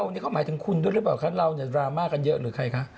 วันนี้เขาหมายถึงคุณด้วยหรือเปล่าคะเราเนี่ยดราม่ากันเยอะหรือใครคะ